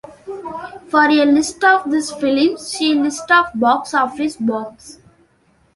For a list of these films, see List of box office bombs.